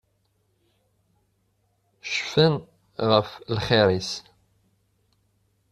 Cfan ɣef lxiṛ-is.